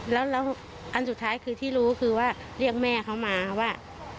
แล้วอันสุดท้ายคือที่รู้คือว่าเรียกแม่เขามาว่า